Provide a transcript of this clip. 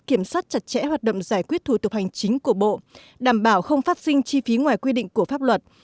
kiểm soát chặt chẽ hoạt động giải quyết thủ tục hành chính của bộ đảm bảo không phát sinh chi phí ngoài quy định của pháp luật